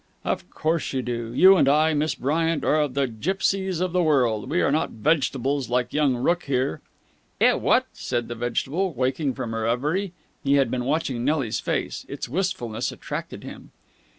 "Of course you do. You and I, Miss Bryant, are of the gipsies of the world. We are not vegetables like young Rooke here." "Eh, what?" said the vegetable, waking from a reverie. He had been watching Nelly's face. Its wistfulness attracted him.